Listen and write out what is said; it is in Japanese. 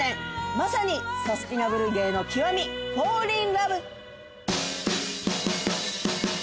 まさにサスティナブル芸の極みフォーリンラブ。